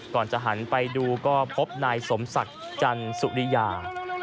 ก่อนจะหันไปดูก็พบนายสมศักดิ์จันสุริยา